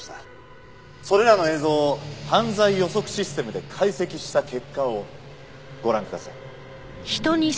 それらの映像を犯罪予測システムで解析した結果をご覧ください。